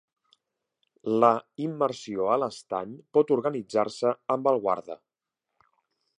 La immersió a l'estany pot organitzar-se amb el guarda.